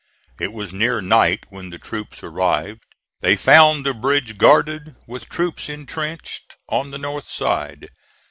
It was near night when the troops arrived. They found the bridge guarded, with troops intrenched, on the north side.